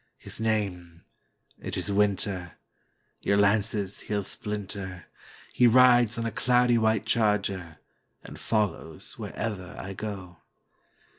His name,—it is Winter; Your lances he 'll splinter; He rides on a cloudy white charger, And follows wherever I go.